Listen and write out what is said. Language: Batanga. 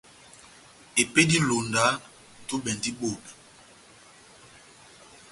Ó epédi yá ilonda, túbɛ endi bobé.